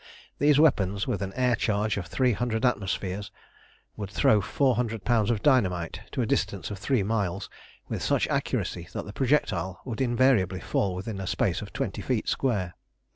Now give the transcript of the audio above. These weapons, with an air charge of three hundred atmospheres, would throw four hundred pounds of dynamite to a distance of three miles with such accuracy that the projectile would invariably fall within a space of twenty feet square.